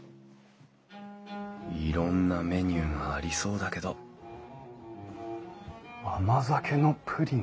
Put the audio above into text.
いろんなメニューがありそうだけど甘酒のプリン。